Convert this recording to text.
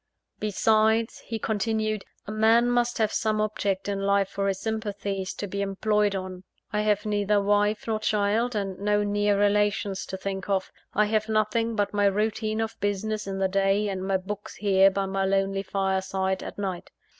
"Besides," he continued, "a man must have some object in life for his sympathies to be employed on. I have neither wife nor child; and no near relations to think of I have nothing but my routine of business in the day, and my books here by my lonely fireside, at night.